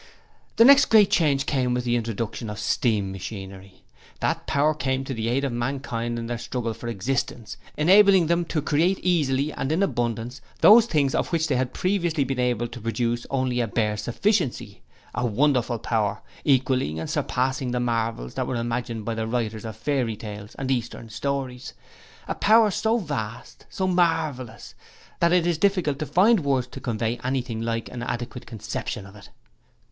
'The next great change came with the introduction of steam machinery. That power came to the aid of mankind in their struggle for existence, enabling them to create easily and in abundance those things of which they had previously been able to produce only a bare sufficiency. A wonderful power equalling and surpassing the marvels that were imagined by the writers of fairy tales and Eastern stories a power so vast so marvellous, that it is difficult to find words to convey anything like an adequate conception of it.